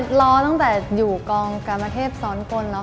หนูเคยรอตั้งแต่อยู่กองกรรมเทพศ์สอนกลแล้วค่ะ